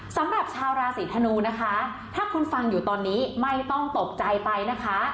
สำหรับชาวราศีธนูนะคะถ้าคุณฟังอยู่ตอนนี้ไม่ต้องตกใจไปนะคะ